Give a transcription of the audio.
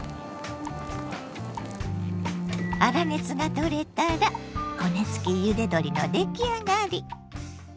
粗熱が取れたら骨付きゆで鶏の出来上がり！